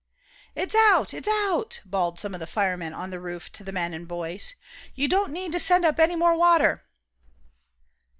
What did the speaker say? "It's out! It's out!" bawled some of the firemen on the roof to the men and boys. "You don't need to send up any more water."